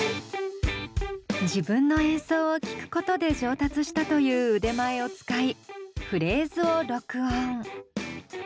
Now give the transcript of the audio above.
自分の演奏を聴くことで上達したという腕前を使いフレーズを録音。